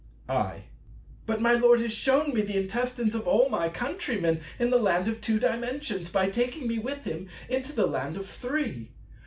I. But my Lord has shewn me the intestines of all my countrymen in the Land of Two Dimensions by taking me with him into the Land of Three.